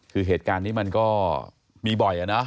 คือเหตุการณ์นี้มันก็มีบ่อยอะเนาะ